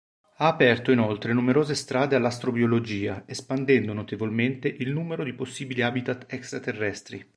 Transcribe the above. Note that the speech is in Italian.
Ha aperto inoltre numerose strade all'astrobiologia espandendo notevolmente il numero di possibili habitat extraterrestri.